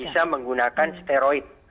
bisa menggunakan steroid